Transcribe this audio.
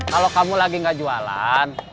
kalau kamu lagi gak jualan